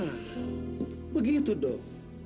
nah begitu dong